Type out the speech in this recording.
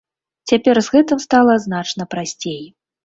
Цяпер з гэтым стала значна прасцей.